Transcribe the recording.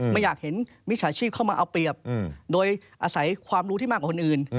ไม่อยากเห็นมิจฉาชีพเข้ามาเอาเปรียบโดยอาศัยความรู้ที่มากกว่าคนอื่น